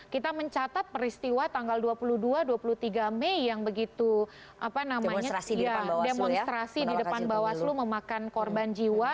kita mencatat peristiwa tanggal dua puluh dua dua puluh tiga mei yang begitu demonstrasi di depan bawaslu memakan korban jiwa